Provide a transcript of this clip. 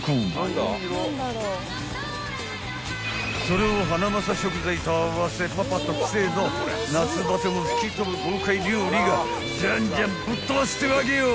［それをハナマサ食材と合わせパパ特製の夏バテも吹き飛ぶ豪快料理がジャンジャンぶっ飛ばすってわけよ！］